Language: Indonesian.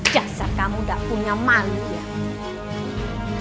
jasad kamu gak punya malu ya